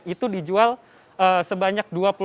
itu dijual sebanyak dua puluh dua tiket